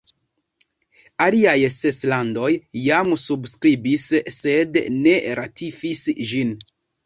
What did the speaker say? Aliaj ses landoj jam subskribis sed ne ratifis ĝin.